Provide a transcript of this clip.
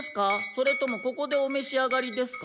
それともここでおめし上がりですか？